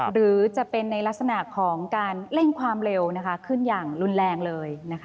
หรือจะเป็นในลักษณะของการเร่งความเร็วขึ้นอย่างรุนแรงเลย